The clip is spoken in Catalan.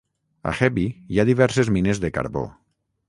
A Hebi hi ha diverses mines de carbó.